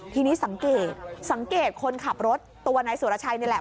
ทีนี้สังเกตสังเกตคนขับรถตัวนายสุรชัยนี่แหละ